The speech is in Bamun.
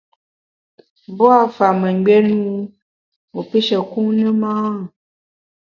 Mbua’ fa mengbié ne wu wu pishe kun ne ma ?